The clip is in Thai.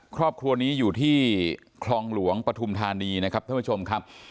ครอบครัวนี้อยู่ที่คลองหลวงปฐุมธานีนะครับท่านผู้ชมครับ